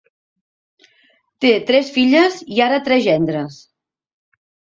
Té tres filles i ara tres gendres.